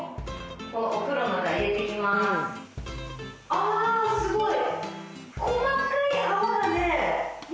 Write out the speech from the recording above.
ああすごい！